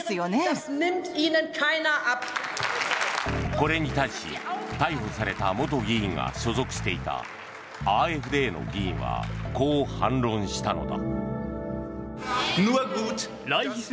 これに対し逮捕された元議員が所属していたＡｆＤの議員はこう反論したのだ。